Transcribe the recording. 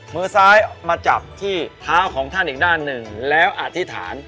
มือซ้ายมาจับที่เท้าของท่านอีกด้านหนึ่งแล้วอธิษฐาน